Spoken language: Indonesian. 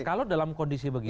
kalau dalam kondisi begitu